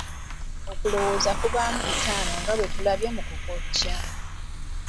Okulowooza kubaamu bitaano nga bwe tulabye mu kukokya.